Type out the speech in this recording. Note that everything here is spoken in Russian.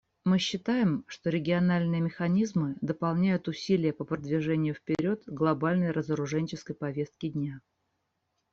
Мы считаем, что региональные механизмы дополняют усилия по продвижению вперед глобальной разоруженческой повестки дня.